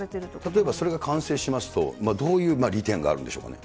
例えばそれが完成しますと、どういう利点があるんでしょうかね。